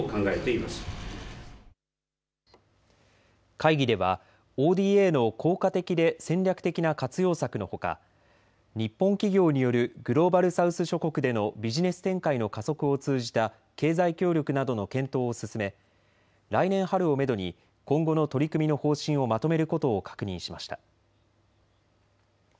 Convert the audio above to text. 会議ではＯＤＡの効果的で戦略的な活用策のほか日本企業によるグローバル・サウス諸国でのビジネス展開の加速を通じた経済協力などの検討を進め来年春をめどに今後の取り組みの方針をまとめることを確認しました。